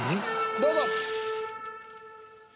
どうぞ。